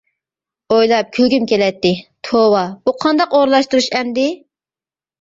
ئويلاپ كۈلگۈم كېلەتتى، توۋا، بۇ قانداق ئورۇنلاشتۇرۇش ئەمدى؟ !